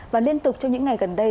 và liên tục trong những ngày gần đây